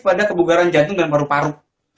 pada kebugaran jantung dan paru paru